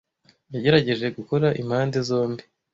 Yagerageje gukora impande zombi.